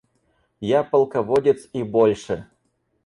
Я полководец и больше.